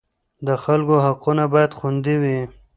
د خلکو حقونه باید خوندي وي.